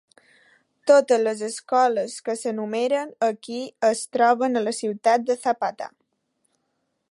Totes les escoles que s'enumeren aquí es troben a la ciutat de Zapata.